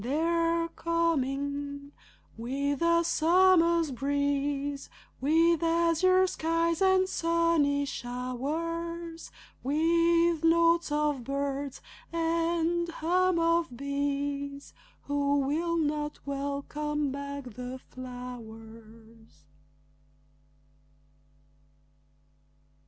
They're coming! With the summer's breeze, With azure skies and sunny showers, With notes of birds and hum of bees Who will not welcome back the flowers?